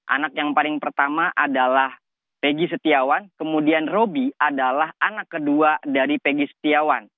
anak yang paling pertama adalah peggy setiawan kemudian roby adalah anak kedua dari pegi setiawan